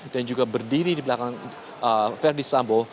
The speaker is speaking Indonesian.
dan juga berdiri di belakang verdi sambo